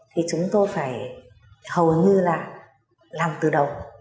thì chúng tôi phải hầu như là làm từ đầu